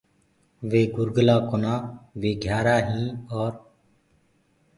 وي گُرگلآ ڪونآ وي گھيآرآ هينٚ اور